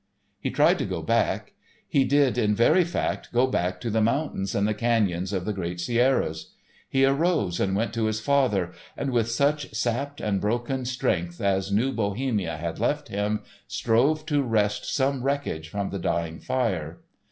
He tried to go back; he did in very fact go back to the mountains and the cañons of the great Sierras. "He arose and went to his father," and, with such sapped and broken strength as New Bohemia had left him, strove to wrest some wreckage from the dying fire.